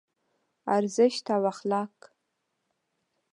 ارزښت او اخلاق